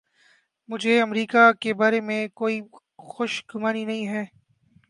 مجھے امریکہ کے بارے میں کوئی خوش گمانی نہیں ہے۔